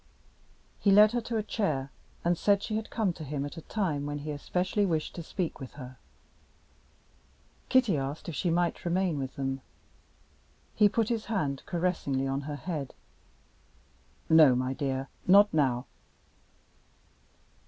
He led her to a chair, and said she had come to him at a time when he especially wished to speak with her. Kitty asked if she might remain with them. He put his hand caressingly on her head; "No, my dear, not now."